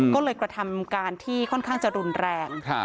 ก็เลยกระทำการที่ค่อนข้างจะรุนแรง